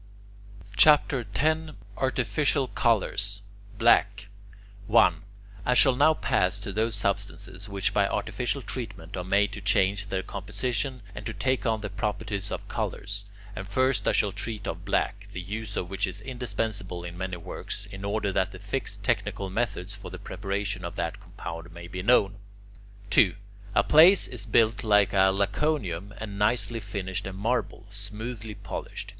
CHAPTER X ARTIFICIAL COLOURS. BLACK 1. I shall now pass to those substances which by artificial treatment are made to change their composition, and to take on the properties of colours; and first I shall treat of black, the use of which is indispensable in many works, in order that the fixed technical methods for the preparation of that compound may be known. 2. A place is built like a Laconicum, and nicely finished in marble, smoothly polished.